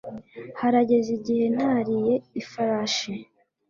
Haraheze igihe ntariye ifarashi.